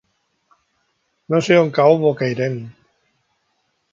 No sé on cau Bocairent.